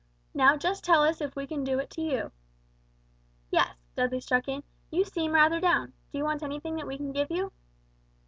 Now just tell us if we can do it to you." "Yes," Dudley struck in: "you seem rather down, do you want anything that we can give you?"